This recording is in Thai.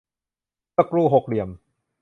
สกรูหกเหลี่ยม